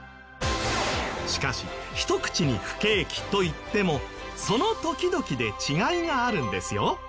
しかし一口に「不景気」といってもその時々で違いがあるんですよ。